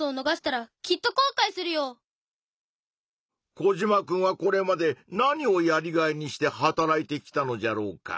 コジマくんはこれまで何をやりがいにして働いてきたのじゃろうか？